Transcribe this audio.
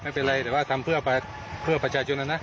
ไม่เป็นไรแต่ว่าทำเพื่อประชาชนนะนะ